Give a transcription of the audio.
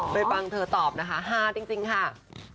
อ๋อไปบ้างเธอตอบนะคะ๕จริงค่ะ